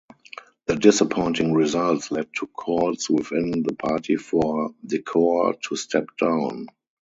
The disappointing results led to calls within the party for Decore to step down.